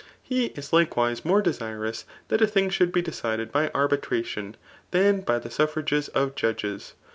He b likewise more desirous that a thing should be decided by arbitration than by the suflfrages of judges.